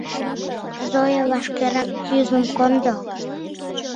Зоя, вашкерак кӱзым кондо!